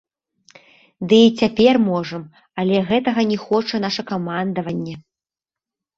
Ды, і цяпер можам, але гэтага не хоча наша камандаванне.